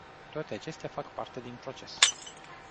Toate acestea fac parte din proces.